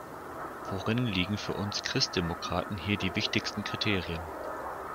Worin liegen für uns Christdemokraten hier die wichtigsten Kriterien?